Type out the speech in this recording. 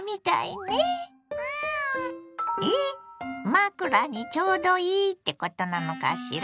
⁉枕にちょうどいいってことなのしら？